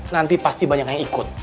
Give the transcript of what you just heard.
nanti pasti banyak yang ikut